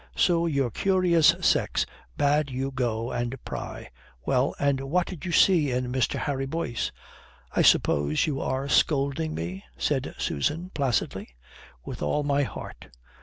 So your curious sex bade you go and pry. Well, and what did you see in Mr. Harry Boyce?" "I suppose you are scolding me," said Susan placidly. "With all my heart."